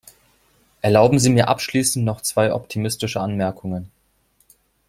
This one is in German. Erlauben Sie mir abschließend noch zwei optimistische Anmerkungen.